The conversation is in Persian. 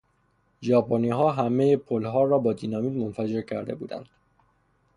ژاپنیها همهی پلها را با دینامیت منفجر کرده بودند.